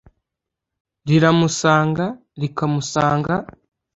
Riramusanga rikamusaga